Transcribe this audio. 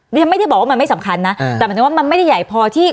จะไม่ได้บอกว่ามันไม่สำคัญนะอืมแต่มันไม่ได้ใหญ่พอที่